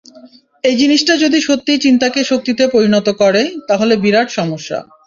ওই জিনিসটা যদি সত্যিই চিন্তাকে শক্তিতে পরিণত করে, তাহলে বিরাট সমস্যা।